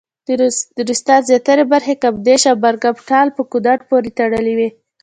د نورستان زیاتره برخې کامدېش او برګمټال په کونړ پورې تړلې وې.